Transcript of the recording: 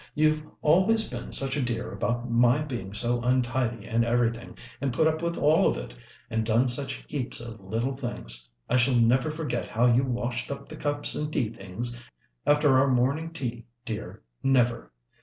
You've always been such a dear about my being so untidy and everything, and put up with all of it, and done such heaps of little things. I shall never forget how you washed up the cups and tea things after our morning tea, dear, never."